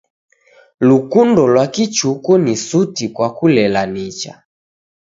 Lukundo lwa kichuku ni suti kwa kulela nicha.